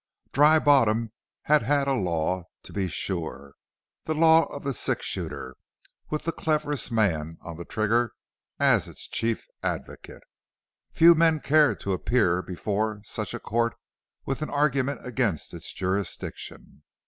Dry Bottom had had a law, to be sure the law of the six shooter, with the cleverest man "on the trigger" as its chief advocate. Few men cared to appear before such a court with an argument against its jurisdiction.